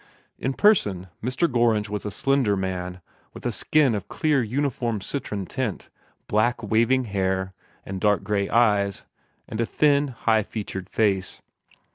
In person, Mr. Gorringe was a slender man, with a skin of a clear, uniform citron tint, black waving hair, and dark gray eyes, and a thin, high featured face.